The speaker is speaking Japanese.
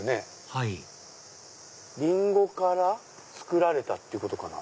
はいリンゴから作られたってことかな。